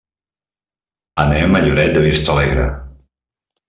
Anem a Lloret de Vistalegre.